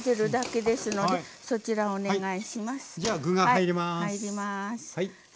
はい。